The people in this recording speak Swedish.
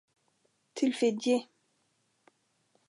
Till Fiji.